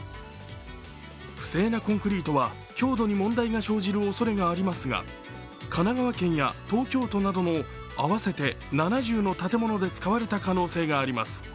不正なコンクリートは強度に問題が生じるおそれがありますが神奈川県や東京都などの合わせて７０の建物で使われた可能性があります。